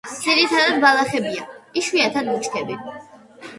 ძირითადად ბალახებია, იშვიათად ბუჩქები.